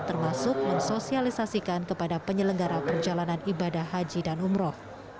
termasuk mensosialisasikan kepada penyelenggara perjalanan ibadah haji dan umroh